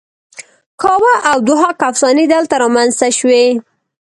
کاوه او ضحاک افسانې دلته رامینځته شوې